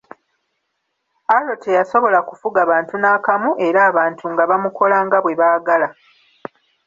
Arrow teyasobola kufuga bantu n'akamu, era abantu nga bamukola nga bwe baagala.